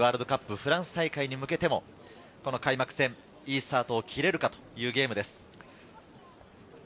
フランス大会に向けても、開幕戦、いいスタートを切れるかというゲームです。